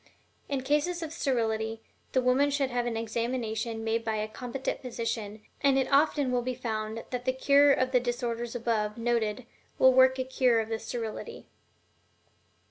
In cases of sterility, the woman should have an examination made by a competent physician, and it often will be found that the cure of the disorders above noted will work a cure of the sterility.